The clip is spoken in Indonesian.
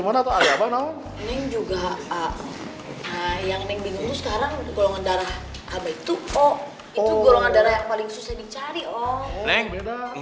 buat kamu aja ray